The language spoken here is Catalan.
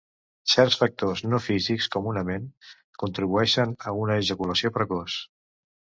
Certs factors no físics comunament contribueixen a una ejaculació precoç.